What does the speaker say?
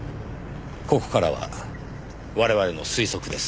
ここからは我々の推測です。